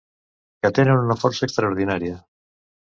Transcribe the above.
Que tenen una força extraordinària.